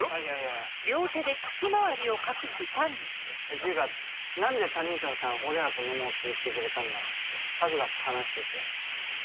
っていうか何で谷ショーさん俺らと飲もうって言ってくれたんだろうって春日と話してて。